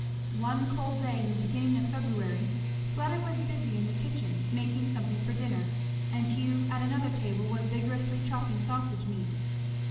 One cold day in the beginning of February Fleda was busy in the kitchen making something for dinner, and Hugh at another table was vigorously chopping sausage meat.